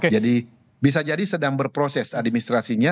jadi bisa jadi sedang berproses administrasinya